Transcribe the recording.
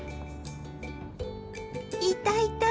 いたいた！